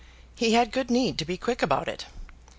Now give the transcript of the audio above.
He had good need to be quick about it.